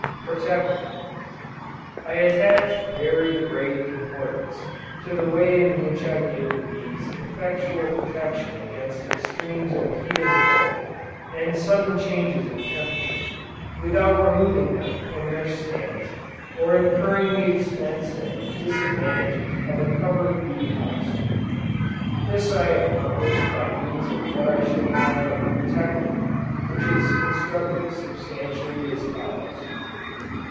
PROTECTOR. I attach very great importance to the way in which I give the bees effectual protection against extremes of heat and cold, and sudden changes of temperature, without removing them from their stands, or incurring the expense and disadvantages of a covered Bee House. This I accomplish by means of what I shall call a Protector which is constructed substantially as follows.